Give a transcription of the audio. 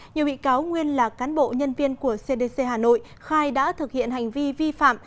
nhiều bị cáo nguyên là cán bộ nhân viên của cdc hà nội khai đã thực hiện hành vi vi phạm